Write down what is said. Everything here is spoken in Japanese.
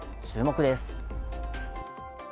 注目です。